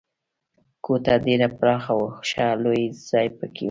کوټه ډېره پراخه وه، ښه لوی ځای پکې و.